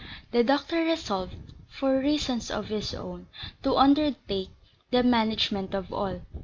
The doctor resolved (for reasons of his own) to undertake the management of all.